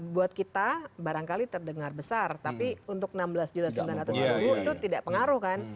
buat kita barangkali terdengar besar tapi untuk rp enam belas sembilan ratus itu tidak pengaruh kan